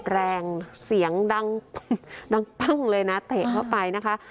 แรงเสียงดังดังปั้งเลยนะเตะเข้าไปนะคะ